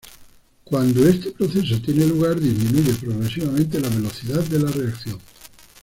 Cuando este proceso tiene lugar, disminuye progresivamente la velocidad de la reacción.